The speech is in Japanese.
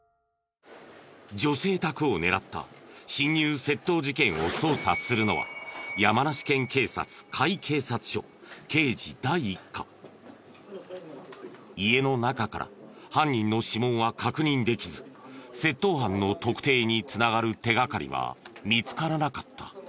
女性宅を狙った侵入窃盗事件を捜査するのは家の中から犯人の指紋は確認できず窃盗犯の特定に繋がる手掛かりは見つからなかった。